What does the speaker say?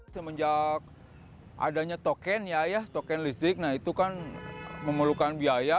semenjak adanya token listrik itu kan memerlukan biaya